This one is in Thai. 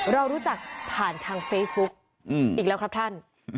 เรารู้จักผ่านทางเฟซบุ๊กอีกแล้วครับท่าน